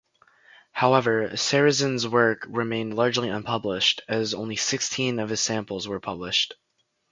However, Sarrazin's work remained largely unpublished, as only sixteen of his samples were published.